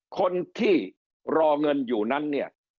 คนที่รอเงินอยู่นั้นเนี่ย